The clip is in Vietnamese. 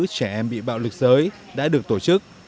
trẻ em bị bạo lực giới đã được tổ chức